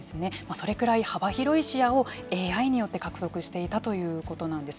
それくらい、幅広い視野をＡＩによって獲得していたということなんです。